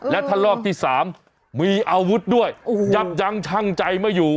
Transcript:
และท่านลอกที่สามมีอาวุธด้วยยังชั่งใจมาอยู่